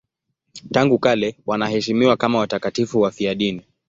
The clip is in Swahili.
Tangu kale wanaheshimiwa kama watakatifu wafiadini.